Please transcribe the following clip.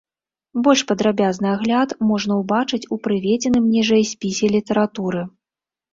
Больш падрабязны агляд можна ўбачыць у прыведзеным ніжэй спісе літаратуры.